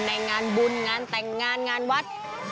งานบุญงานแต่งงานงานวัด